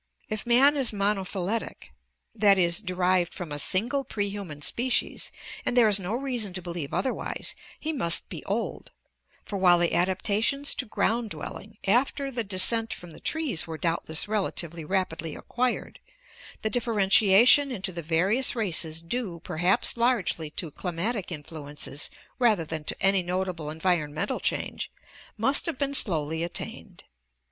If man is monophyletic, that is, derived from a single prehuman species, and there is no reason to believe otherwise, he must be old, for while the adaptations to ground dwelling after the descent from the trees were doubtless relatively rapidly ac quired, the differentiation into the various races due perhaps largely to climatic influences rather than to any notable environ mental change, must have been slowly attained.